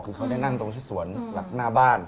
คือเขาได้นั่งตรงที่สวนหน้าบ้าน